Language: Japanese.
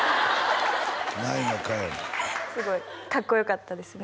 「ないのか」やねんすごいかっこよかったですね